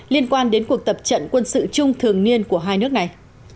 liên quan đến cuộc tập trận quân sự chung thường niên của hai nước này